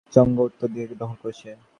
চাংগুই উত্তর দিক দখল করেছে।